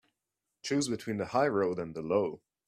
Choose between the high road and the low.